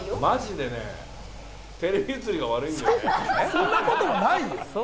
そんなことないよ！